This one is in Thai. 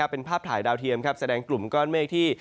เป็นภาพถ่ายดาวเทียมแสดงกลุ่มก้อนเมฆที่